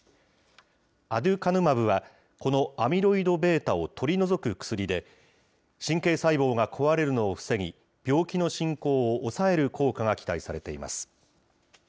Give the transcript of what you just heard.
アデュカヌマブは、このアミロイドβを取り除く薬で、神経細胞が壊れるのを防ぎ、病気の進行を抑える効果が期待されています。